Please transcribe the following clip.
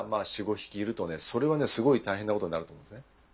それはねすごい大変なことになると思うんですね。